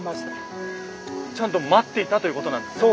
ちゃんと待っていたということなんですね？